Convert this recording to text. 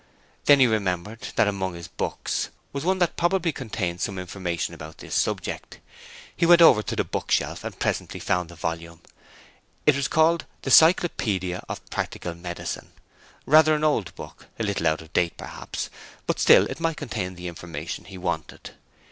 Then he remembered that among his books was one that probably contained some information about this subject. He went over to the book shelf and presently found the volume; it was called The Cyclopedia of Practical Medicine, rather an old book, a little out of date, perhaps, but still it might contain the information he wanted.